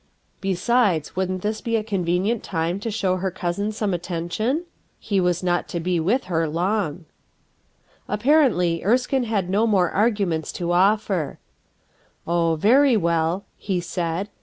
Be sides, wouldn't this be a convenient time to 65 56 RUTH ERSKINE'S SON show her cousin some attention? He was n * to be with her long Apparently Erskine had no more arguments to offer. "Oh, very well," he said.